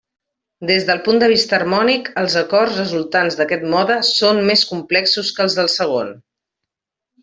Des del punt de vista harmònic, els acords resultants d'aquest mode són més complexos que els del segon.